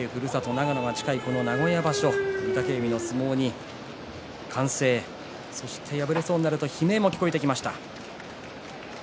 長野が近いこの名古屋場所御嶽海の相撲に歓声そして、破れそうになると悲鳴も聞こえてきました。